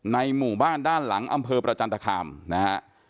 ในหมู่บ้านด้านหลังอำเภอประจันทคามนะฮะ